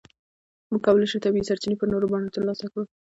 موږ کولای شو طبیعي سرچینې په نورو بڼو ترلاسه کړو.